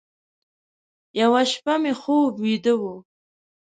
یوه شپه مې خوب ویده و،